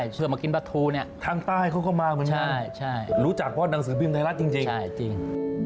เชื่อมากินปลาทูเนี่ยทางใต้เขาก็มาเหมือนกันรู้จักเพราะหนังสือพิมพ์ไทยรัฐจริงใช่จริง